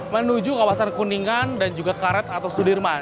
menuju kawasan kuningan dan juga karet atau sudirman